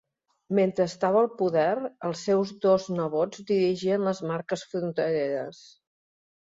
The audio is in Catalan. Mentre estava al poder els seus dos nebots dirigien les marques frontereres.